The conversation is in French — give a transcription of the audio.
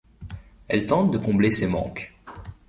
Elle tente de combler ces manques.